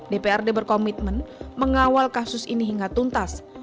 dprd berkomitmen mengawal kasus ini hingga tuntas